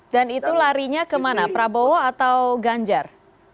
dan itu larinya kemana prabowo atau ganjar